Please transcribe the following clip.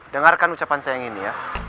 dengarkan ucapan saya yang ini ya